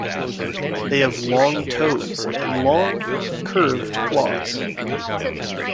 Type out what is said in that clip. They have long toes and long, curved claws.